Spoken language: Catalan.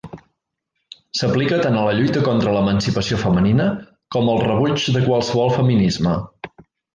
S'aplica tant a la lluita contra l'emancipació femenina com al rebuig de qualsevol feminisme.